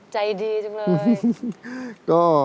ใจดีจังเลย